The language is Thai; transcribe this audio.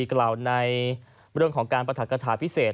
กล่าวในเรื่องของการปรัฐกฐาพิเศษ